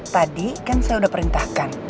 tadi kan saya sudah perintahkan